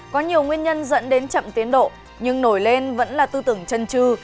có nhiều nguyên nhân dẫn đến chậm tiến độ nhưng nổi lên vẫn là tư tưởng chân trư